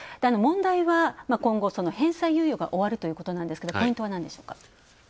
問題は今後、返済猶予が終わるということなんですけどポイントはなんでしょうか？